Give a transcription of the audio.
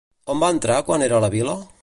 On va entrar quan era a la vila?